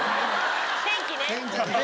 天気ね。